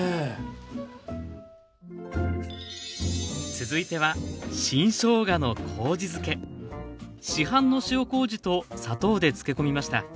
続いては市販の塩麹と砂糖で漬け込みました。